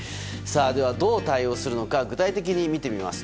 ではどう対応するのか具体的に見てみます。